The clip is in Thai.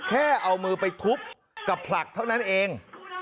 แค่เอามือไปทุบกับผลักเท่านั้นเอง